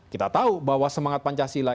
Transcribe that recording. kita tahu bahwa semangat pancasila